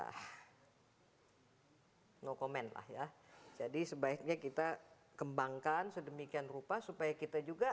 hai no comment lah ya jadi sebaiknya kita kembangkan sedemikian rupa supaya kita juga